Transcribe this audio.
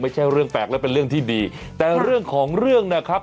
ไม่ใช่เรื่องแปลกและเป็นเรื่องที่ดีแต่เรื่องของเรื่องนะครับ